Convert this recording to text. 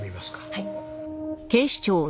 はい。